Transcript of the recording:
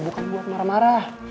bukan buat marah marah